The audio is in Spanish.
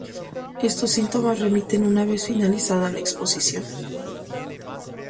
Estos síntomas remiten una vez finalizada la exposición.